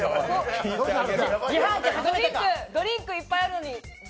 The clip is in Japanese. ドリンクいっぱいあるのに。